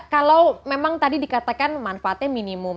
kalau memang tadi dikatakan manfaatnya minimum